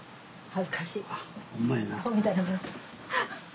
恥ずかしい。